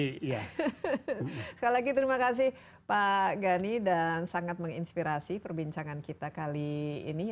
sekali lagi terima kasih pak gani dan sangat menginspirasi perbincangan kita kali ini